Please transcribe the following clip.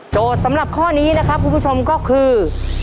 สำหรับข้อนี้นะครับคุณผู้ชมก็คือ